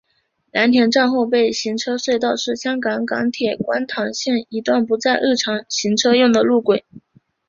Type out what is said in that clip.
蓝田站后备行车隧道是香港港铁观塘线一段不再作日常行车用的路轨。